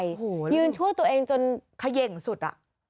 ยืนช่วงตัวเองจนเขย่งสุด